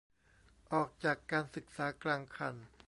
ออกจากการศึกษากลางคัน